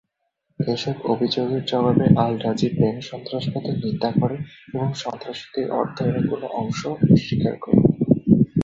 এসব অভিযোগের জবাবে আল রাজি ব্যাংক সন্ত্রাসবাদের নিন্দা করে এবং সন্ত্রাসীদের অর্থায়নে কোনও অংশ অস্বীকার করে।